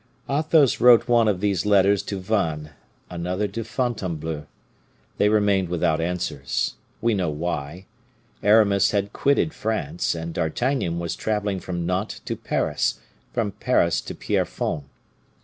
Athos wrote one of these letters to Vannes, another to Fontainebleau; they remained without answers. We know why: Aramis had quitted France, and D'Artagnan was traveling from Nantes to Paris, from Paris to Pierrefonds.